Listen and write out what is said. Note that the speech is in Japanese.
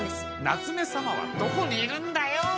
夏目さまはどこにいるんだよ！